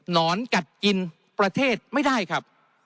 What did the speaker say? นอนกัดกินประเทศไม่ได้ครับ